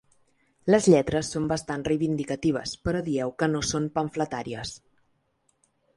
Les lletres són bastant reivindicatives, però dieu que no són pamfletàries.